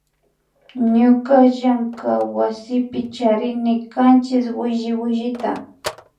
Ñuka llankaywasipi charinchi kanchis williwillita